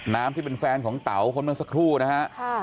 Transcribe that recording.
ที่เป็นแฟนของเต๋าคนเมื่อสักครู่นะฮะ